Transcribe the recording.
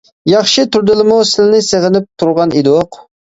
ياخشى تۇردىلىمۇ؟ سىلىنى سېغىنىپ تۇرغان ئىدۇق.